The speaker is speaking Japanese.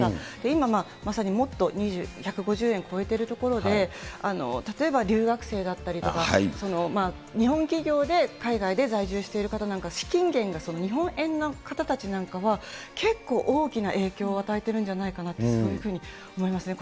今、まさにもっと１５０円超えてるところで、例えば留学生だったりとか、日本企業で、海外で在住している方なんかは、資金源が日本円の方たちなんかは、結構大きな影響を与えてるんじゃないかなって、そういうふうに思いますね。